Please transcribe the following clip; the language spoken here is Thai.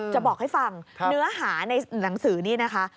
จะบอกให้ฟังเนื้อหาในหนังสือนี้นะคะ